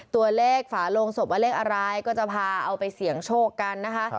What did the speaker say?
ฝาโลงศพว่าเลขอะไรก็จะพาเอาไปเสี่ยงโชคกันนะคะ